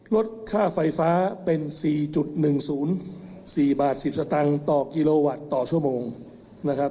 ลดค่าไฟฟ้าเป็น๔๑๐๔บาท๑๐สตางค์ต่อกิโลวัตต์ต่อชั่วโมงนะครับ